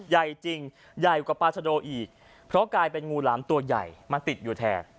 ใหญ่จริงใหญ่กว่าปาชโดอีกเพราะกลายเป็นงูหลามตัวใหญ่มันติดอยู่แทน